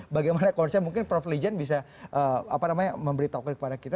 bagaimana mungkin prof lijen bisa memberitahu kepada kita